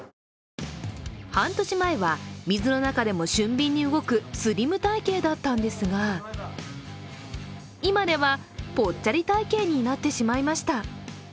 半年前は水の中でも俊敏に動くスリム体型だったんですが今では、ぽっちゃり体型になってしまいました。